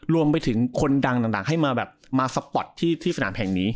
รวมไปถึงคนดังต่างให้มาแบบมาสปอร์ตที่สนามแห่งนี้